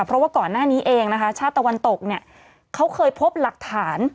เพราะว่าก่อนหน้านี้เองนะคะชาติตะวันตกเนี่ยเขาเคยพบหลักฐาน